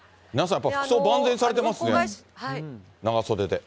やっぱり、服装万全にされてますね、長袖で。